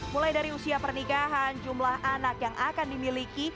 mulai dari usia pernikahan jumlah anak yang akan dimiliki